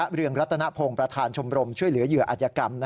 เรืองรัตนพงศ์ประธานชมรมช่วยเหลือเหยื่ออัธยกรรม